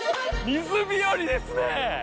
水日和ですね。